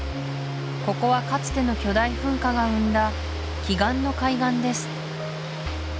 ここはかつての巨大噴火が生んだ奇岩の海岸です